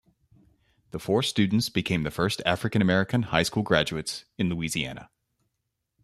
The four students became the first African American high school graduates in Louisiana.